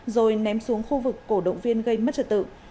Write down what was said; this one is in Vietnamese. rồi ném xuống khu vực cổ động viên gây mất trật tự